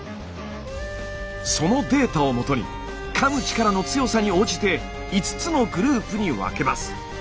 そのデータを基にかむ力の強さに応じて５つのグループに分けます。